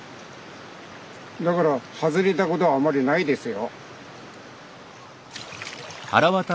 だから外れたことはあまりないですよ。